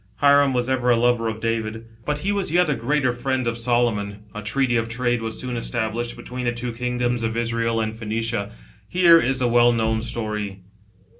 Hiram was ever a lover of David, but he was a yet gr3ater friend of Solomc^. A treaty of trade was soon estab lished, between the two kingdoms of Israel and Phoenicia. Here is the well known story.